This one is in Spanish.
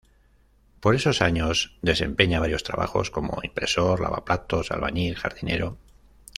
Por esos años desempeña varios trabajos como impresor, lavaplatos, albañil, jardinero.